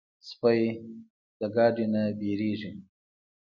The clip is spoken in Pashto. سپي د ګاډي نه وېرېږي.